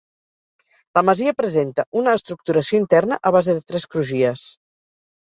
La masia presenta una estructuració interna a base de tres crugies.